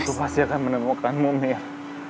aku pasti akan menemukanmu mir